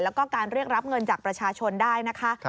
แล้วก็การเรียกรับเงินจากประชาชนได้นะคะ